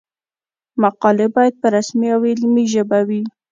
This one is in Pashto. مقالې باید په رسمي او علمي ژبه وي.